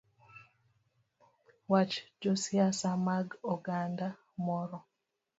Wach josiasa mag oganda moro